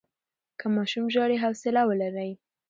که ماشوم ژاړي، حوصله ولرئ.